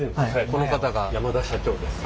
この方が山田社長です。